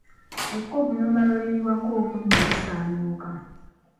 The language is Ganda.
EKkovu n’omala oliyiwako omunnyo lisaanuuka.